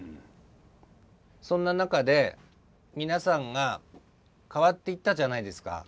そんな中で皆さんが変わっていったじゃないですか。